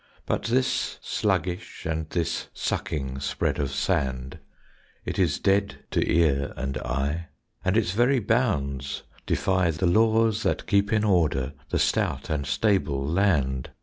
But this sluggish and this sucking spread of sand It is dead to ear and eye; And its very bounds defy The laws that keep in order The stout and stable land.